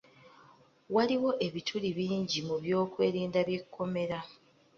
Waaliwo ebituli bingi mu by'okwerinda by'ekomera.